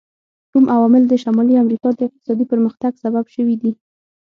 کوم عوامل د شمالي امریکا د اقتصادي پرمختګ سبب شوي دي؟